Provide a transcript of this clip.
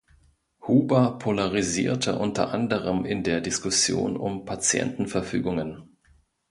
Huber polarisierte unter anderem in der Diskussion um Patientenverfügungen.